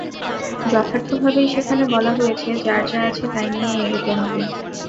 যথার্থভাবেই সেখানে বলা হয়েছে, যার যা আছে তাই নিয়েই এগোতে হবে।